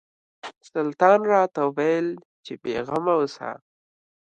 سلطان راته وویل چې بېغمه اوسه.